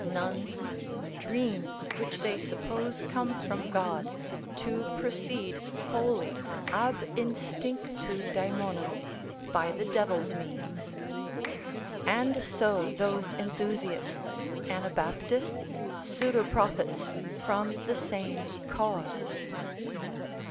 nuns, dreams, which they suppose come from God, to proceed wholly ab instinctu daemonum, by the devil's means; and so those enthusiasts, Anabaptists, pseudoprophets from the same cause.